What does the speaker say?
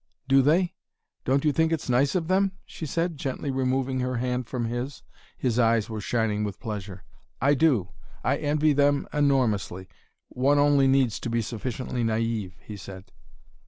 "Do they? Don't you think it's nice of them?" she said, gently removing her hand from his. His eyes were shining with pleasure. "I do. I envy them enormously. One only needs to be sufficiently naive," he said.